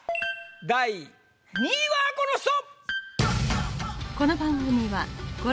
第２位はこの人！